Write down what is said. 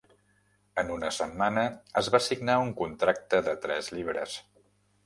En una setmana, es va signar un contracte de tres llibres.